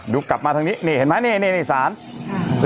ดูกลับมาทางนี้นี่เห็นไหมนี่นี่นี่นี่ศาลอืม